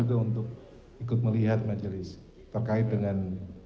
kita juga untuk ikut melihat majelis terkait dengan